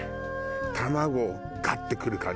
卵ガッてくる感じね。